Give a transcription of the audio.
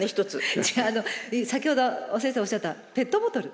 先ほど先生おっしゃったペットボトル。